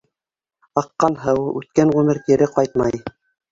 Аҡҡан һыу, үткән ғүмер кире ҡайтмай.